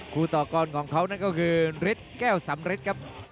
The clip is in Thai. ต่อกรของเขานั่นก็คือฤทธิ์แก้วสำริดครับ